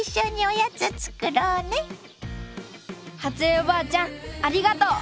江おばあちゃんありがとう！